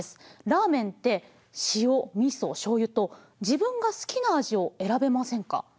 ラーメンって塩みそしょうゆと自分が好きな味を選べませんか？